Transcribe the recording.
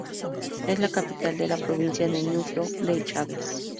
Es la capital de la Provincia de Ñuflo de Chávez.